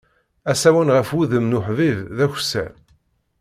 Asawen ɣef wudem n uḥbib, d akessar.